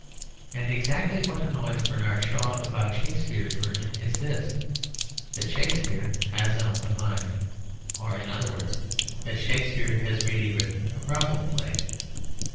And exactly what annoys Bernard Shaw about Shakespeare's version is this: that Shakespeare has an open mind or, in other words, that Shakespeare has really written a problem play.